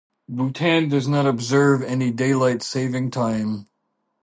Bhutan does not observe any Daylight saving time.